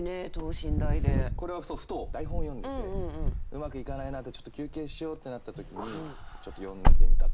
これはふと台本を読んでてうまくいかないなちょっと休憩しようってなった時にちょっと詠んでみた。